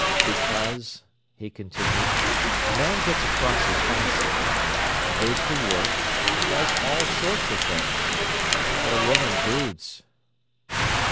"Because," he continued, "a man gets across his bicycle—and goes to work—and does all sorts of things. But a woman broods."